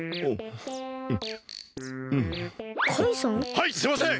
はいすみません！